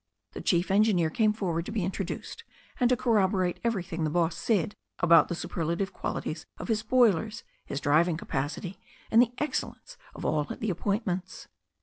The chief engineer came forward to be introduced, and to corroborate ever3rthing the boss said about the superlative qualities of his boilers, his driving capacity^ and the excellence of all the appointments.